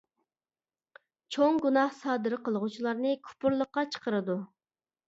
چوڭ گۇناھ سادىر قىلغۇچىلارنى كۇپۇرلۇققا چىقىرىدۇ.